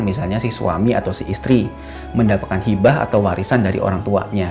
misalnya si suami atau si istri mendapatkan hibah atau warisan dari orang tuanya